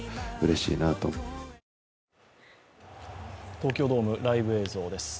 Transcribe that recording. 東京ドーム、ライブ映像です。